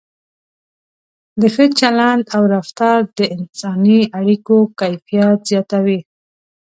د ښه چلند او رفتار د انساني اړیکو کیفیت زیاتوي.